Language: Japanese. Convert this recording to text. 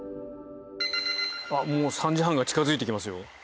もう３時半が近づいてきますよ。